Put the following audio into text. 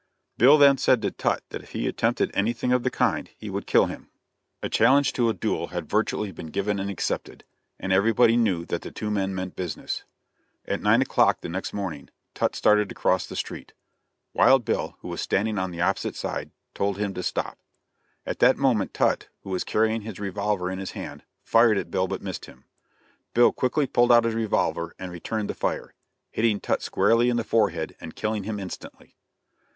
Bill then said to Tutt that if he attempted anything of the kind, he would kill him. A challenge to a duel had virtually been given and accepted, and everybody knew that the two men meant business. At nine o'clock the next morning, Tutt started to cross the street. Wild Bill, who was standing on the opposite side, told him to stop. At that moment Tutt, who was carrying his revolver in his hand, fired at Bill but missed him. Bill quickly pulled out his revolver and returned the fire, hitting Tutt squarely in the forehead and killing him instantly.